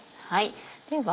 では